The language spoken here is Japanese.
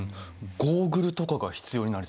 ゴーグルとかが必要になりそう。